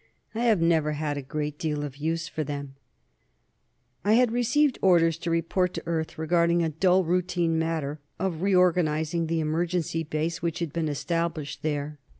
I have never had a great deal of use for them. I had received orders to report to Earth, regarding a dull routine matter of reorganizing the emergency Base which had been established there.